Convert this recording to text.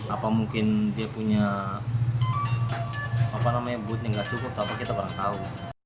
apa mungkin dia punya apa namanya butnya nggak cukup apa kita kurang tahu